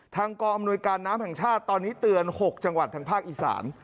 กองอำนวยการน้ำแห่งชาติตอนนี้เตือน๖จังหวัดทางภาคอีสาน